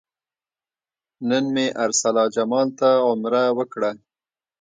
نن مې ارسلا جمال ته عمره وکړه.